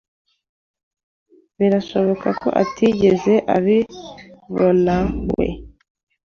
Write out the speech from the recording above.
birashoboka ko atigeze abibonawe.